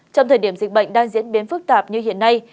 trong thời điểm dịch bệnh đang diễn biến phức tạp như hiện nay